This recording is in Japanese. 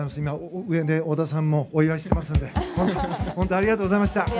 今、上で織田さんもお祝いしていますので本当にありがとうございました。